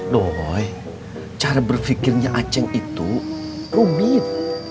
doi cara berpikirnya aceh itu rubit